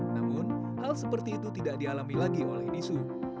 namun hal seperti itu tidak dialami lagi oleh nisu